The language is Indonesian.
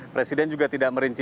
presiden juga tidak mengatakan